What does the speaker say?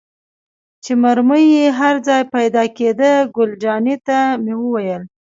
چې مرمۍ یې هر ځای پيدا کېدې، ګل جانې ته مې وویل.